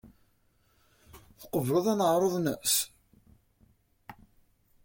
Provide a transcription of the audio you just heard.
Tqebleḍ aneɛruḍ-nnes?